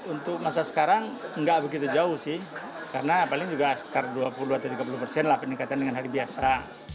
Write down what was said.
untuk masa sekarang nggak begitu jauh sih karena paling juga sekitar dua puluh atau tiga puluh persen lah peningkatan dengan hari biasa